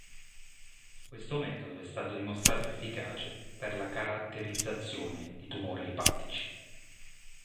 Questo metodo è stato dimostrato efficace per la caratterizzazione di tumori epatici.